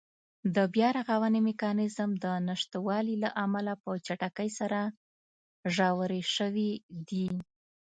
د بیا رغونې میکانېزم د نشتوالي له امله په چټکۍ سره ژورې شوې دي.